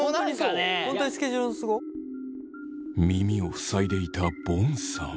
耳を塞いでいたボンさん。